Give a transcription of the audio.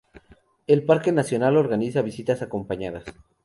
El parque nacional organiza visitas acompañadas.